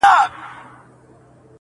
بزه په خپل ښکر نه درنېږي.